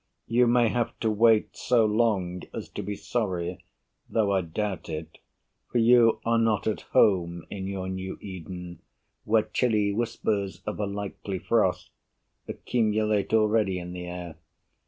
You may have to wait So long as to be sorry; though I doubt it, For you are not at home in your new Eden Where chilly whispers of a likely frost Accumulate already in the air.